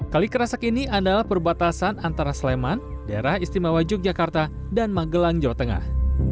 kali kerasak ini adalah perbatasan antara sleman daerah istimewa yogyakarta dan magelang jawa tengah